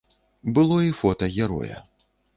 Было і фота героя.